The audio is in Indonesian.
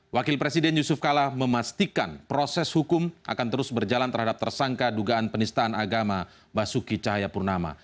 wakil presiden yusuf kala memastikan proses hukum akan terus berjalan terhadap tersangka dugaan penistaan agama basuki cahayapurnama